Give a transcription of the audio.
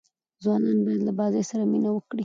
ځوانان باید له بازۍ سره مینه وکړي.